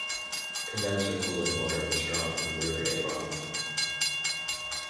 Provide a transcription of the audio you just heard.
Condenser cooling water was drawn from the River Avon.